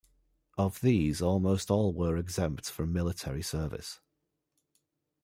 Of these almost all were exempt from military service.